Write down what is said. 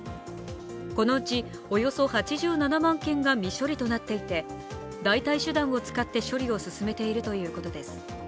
このうちおよそ８７万件が未処理となっていて、代替手段を使って処理を進めているということです。